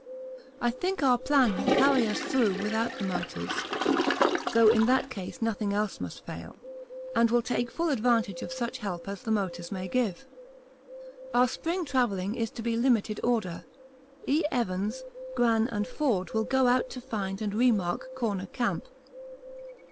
I think our plan will carry us through without the motors (though in that case nothing else must fail), and will take full advantage of such help as the motors may give. Our spring travelling is to be limited order. E. Evans, Gran, and Forde will go out to find and re mark 'Corner Camp.'